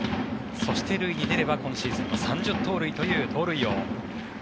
そして塁に出れば今シーズンは３０盗塁という盗塁王。